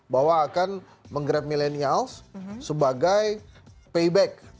bahwa akan menggrab milenial sebagai payback